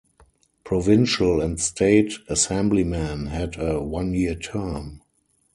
Provincial and State Assemblymen had a one-year term.